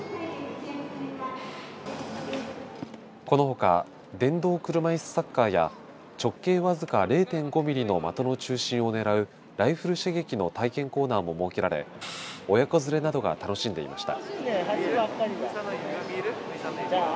このほか電動車いすサッカーや直径僅か０．５ミリの的の中心を狙うライフル射撃の体験コーナーも設けられ親子連れなどが楽しんでいました。